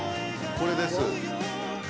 これです。